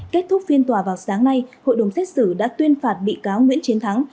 kết thúc phiên tòa vào sáng nay hội đồng xét xử đã tuyên phạt bị cáo nguyễn chiến thắng